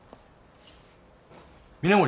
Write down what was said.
・峰森。